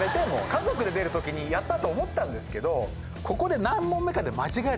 家族で出る時に「やった」と思ったんですけどここで何問目かで。